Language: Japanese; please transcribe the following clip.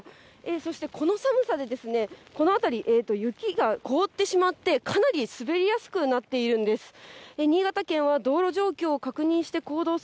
そしてこの寒さで、この辺り、雪が凍ってしまってかなり滑りやすくなっているんです。